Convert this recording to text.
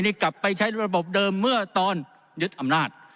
นี่กลับไปใช้ระบบเดิมเมื่อตอนยึดอำนาจ